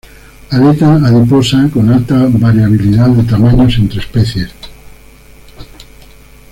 Aleta adiposa con alta variabilidad de tamaños entre especies.